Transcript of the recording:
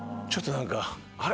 あれ？